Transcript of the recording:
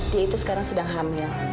dia itu sekarang sedang hamil